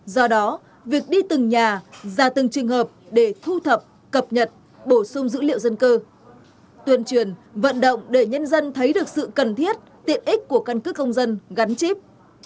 do đó việc đi từng nhà ra từng trường hợp để thu thập cập nhật bổ sung dữ liệu dân cư tuyên truyền vận động để nhân dân thấy được sự cần thiết tiện ích của căn cước công dân gắn chip